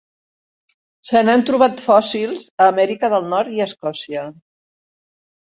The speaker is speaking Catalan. Se n'han trobat fòssils a Amèrica del Nord i Escòcia.